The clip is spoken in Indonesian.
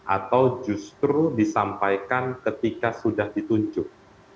atau justru disampaikan ketika sudah ditunjuk